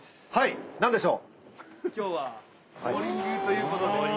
「何でしょう？」